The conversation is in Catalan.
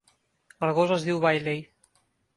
El gos es diu Bailey.